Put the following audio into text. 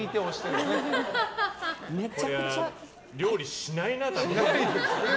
これは料理しないな、多分。